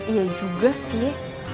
iya juga sih